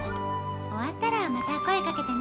終わったらまた声かけてね。